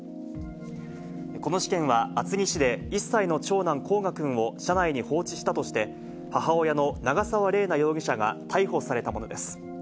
この事件は、厚木市で１歳の長男、煌翔くんを車内に放置したとして、母親の長沢麗奈容疑者が逮捕されたものです。